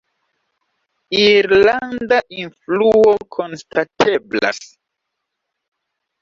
Irlanda influo konstateblas.